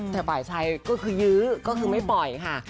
แต่ฝ่ายชายก็คือยื้อก็คือไม่ปล่อยค่ะ